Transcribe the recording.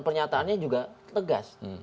pernyataannya juga tegas